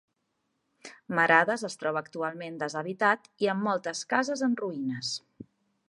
Merades es troba actualment deshabitat i amb moltes cases en ruïnes.